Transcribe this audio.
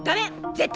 絶対！